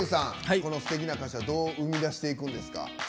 このすてきな歌詞はどう生み出していくんですか？